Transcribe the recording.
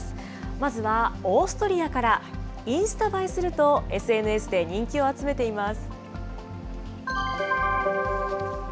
まずはオーストリアからインスタ映えすると、ＳＮＳで人気を集めています。